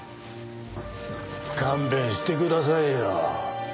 勘弁してくださいよ。